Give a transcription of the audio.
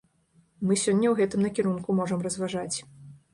Мы сёння ў гэтым накірунку можам разважаць.